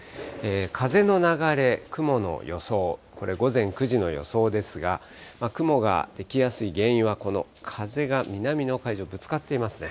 風の流れ、雲の予想、これ、午前９時の予想ですが、雲ができやすい原因は、この風が南の海上、ぶつかっていますね。